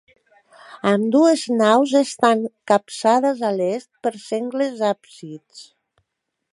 Ambdues naus estan capçades a l'est per sengles absis.